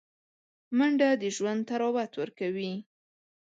منډه د ژوند طراوت ورکوي